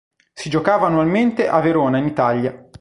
Si giocava annualmente a Verona in Italia.